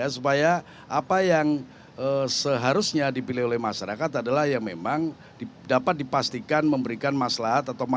supaya apa yang seharusnya dipilih oleh masyarakat adalah yang memang dapat dipastikan memberikan masalah